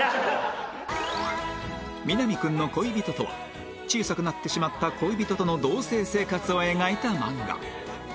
『南くんの恋人』とは小さくなってしまった恋人との同棲生活を描いた漫画